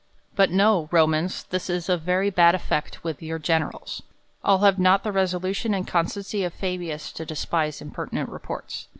But know, Romans, this is of very bad ef fect with your generals. All have not the resolution and constancy of Fabius, to despise impertinent reports.